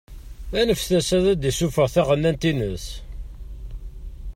Anef-as ad d-isuffeɣ taɣennant-ines.